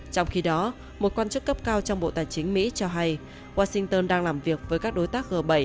trong khi đó một quan chức cấp cao trong bộ tài chính mỹ cho hay washington đang làm việc với các đối tác g bảy